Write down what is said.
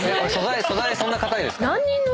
素材そんな硬いですか？